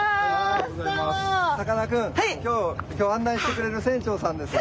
さかなクン今日案内してくれる船長さんですよ！